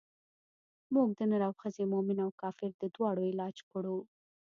موږ د نر او ښځې مومن او کافر د دواړو علاج کړو.